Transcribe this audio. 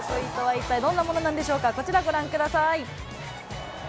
一体どんなものなんでしょうか、こちら、ご覧ください。